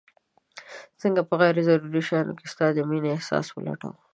څنګه په غير ضروري شيانو کي ستا د مينې احساس ولټوم